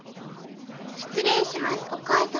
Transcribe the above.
失礼しますお母様。